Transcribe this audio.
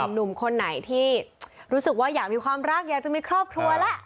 หนุ่มคนไหนที่รู้สึกว่าอยากมีความรักอยากจะมีครอบครัวแล้ว